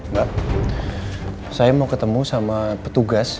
mbak saya mau ketemu sama petugas